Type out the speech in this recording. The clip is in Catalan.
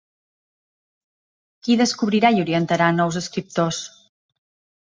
Qui descobrirà i orientarà nous escriptors?